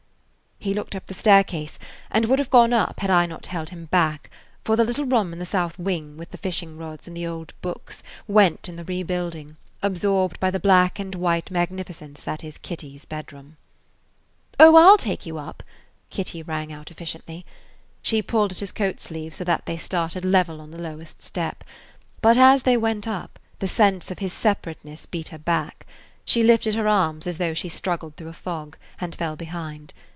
He looked up the staircase, and would have gone up had I not held him back; for the little room in the south wing, with the fishing rods and the old books, went in the rebuilding, absorbed by the black and white magnificence that is Kitty's bedroom. [Page 47] "Oh, I 'll take you up," Kitty rang out efficiently. She pulled at his coat sleeve, so they started level on the lowest step. But as they went up, the sense of his separateness beat her back; she lifted her arms as though she struggled through a fog, and fell behind.